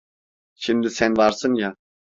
Şimdi sen varsın ya